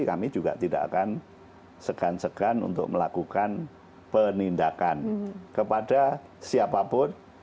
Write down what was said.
kami juga tidak akan segan segan untuk melakukan penindakan kepada siapapun